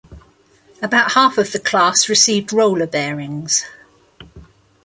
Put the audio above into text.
About half of the class received roller bearings.